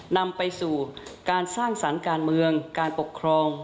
นำไปสู่การสร้างสรรค์การเมืองการปกครอง